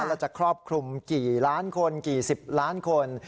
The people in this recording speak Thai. แล้วจะครอบคลุมกี่ล้านคนกี่สิบล้านคน